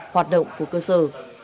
hoạt động của cơ sở